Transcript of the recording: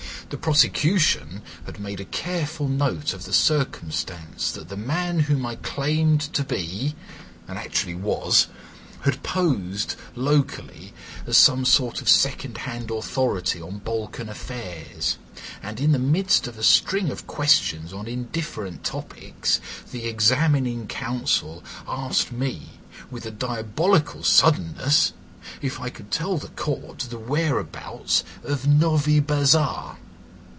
The prosecution had made a careful note of the circumstance that the man whom I claimed to be—and actually was—had posed locally as some sort of second hand authority on Balkan affairs, and, in the midst of a string of questions on indifferent topics, the examining counsel asked me with a diabolical suddenness if I could tell the Court the whereabouts of Novibazar.